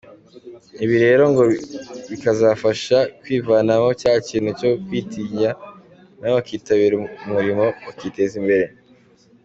Ibi rero ngo bikazabafasha kwivanamo cya cyintu cyo kwitinya nabo bakitabira umurimo bakiteza imbere.